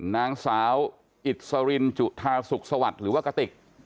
นางสาวอิสรินจุธาสุขสวัสดิ์หรือว่ากติก